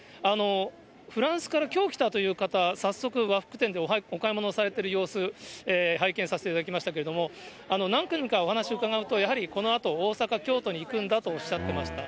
フランスからきょう来たという方、早速、和服店でお買物されてる様子、拝見させていただきましたけれども、何点かお話を伺うと、やはりこのあと、大阪、京都に行くんだとおっしゃってました。